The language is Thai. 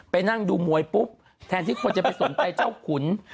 นั่งดูมวยปุ๊บแทนที่คนจะไปสนใจเจ้าขุน